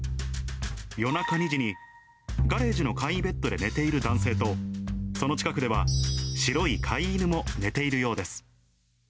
夜中２時に、ガレージの簡易ベッドで寝ている男性と、その近くでは、白い飼い犬も寝ているようです。